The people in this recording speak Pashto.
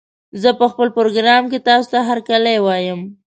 زه په خپل پروګرام کې تاسې ته هرکلی وايم